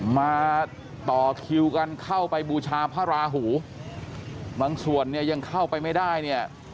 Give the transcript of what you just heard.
มาต่อคิวกันเข้าไปบูชาพระราหูบางส่วนเนี่ยยังเข้าไปไม่ได้เนี่ย